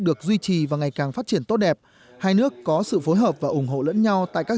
được duy trì và ngày càng phát triển tốt đẹp hai nước có sự phối hợp và ủng hộ lẫn nhau tại các